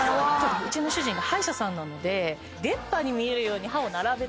うちの主人が歯医者さんなので出っ歯に見えるように歯を並べて。